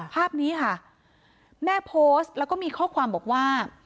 ภาพนี้ค่ะแม่โพสต์แล้วก็มีข้อความบอกว่า